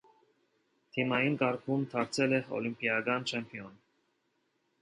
Թիմային կարգում դարձել է օլիմպիական չեմպիոն։